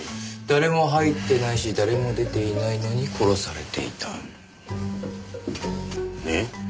誰も入ってないし誰も出ていないのに殺されていた。ね？